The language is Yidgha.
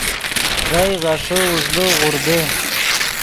ڤئے غیݰے اوݱڑے غوردے